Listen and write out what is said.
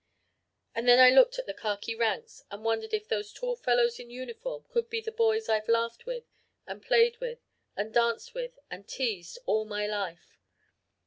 And then I looked at the khaki ranks and wondered if those tall fellows in uniform could be the boys I've laughed with and played with and danced with and teased all my life.